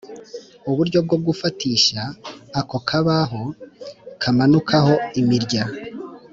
Uburyo bwo gufatisha ako kabaho kamanukaho imirya